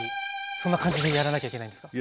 そんな感じでやらなきゃいけないんですか？